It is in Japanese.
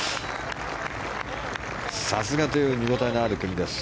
さすがという見応えのある組です。